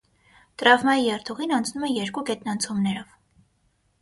Տրամվայի երթուղին անցնում է երկու գետնանցումներով։